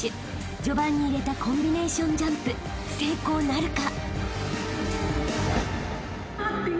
［序盤に入れたコンビネーションジャンプ成功なるか？］